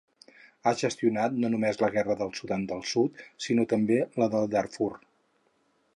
Ha gestionat no només la guerra del Sudan del Sud sinó també la de Darfur.